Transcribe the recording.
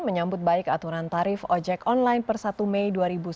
menyambut baik aturan tarif ojek online per satu mei dua ribu sembilan belas